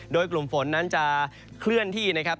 โดยกลุ่มฝนนั้นจะเคลื่อนที่นะครับ